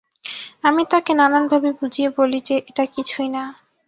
আমি তাকে নানানভাবে বুঝিয়ে বলি যে এটা কিছুই না।